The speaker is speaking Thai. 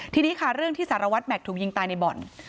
ทีนี้ค่ะเรื่องที่สารวัตรแม็กซ์ถูกยิงตายในบ่อน